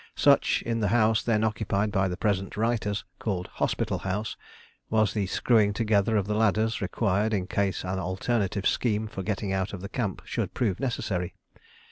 Such, in the house then occupied by the present writers, called Hospital House, was the screwing together of the ladders required in case an alternative scheme for getting out of the camp should prove necessary.